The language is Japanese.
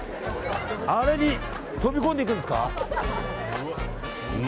あれに飛び込んでいくんですか。